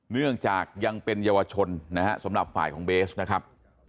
เนื่องจากยังเป็นเยาวชนนะฮะสำหรับฝ่ายของเบสนะครับ